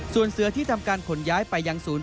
ส่วนเสือที่ทำการขนย้ายไปยังศูนย์